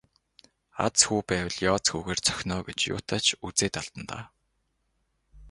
Аз хүү байвал ёоз хүүгээр цохино оо гэж юутай ч үзээд алдана даа.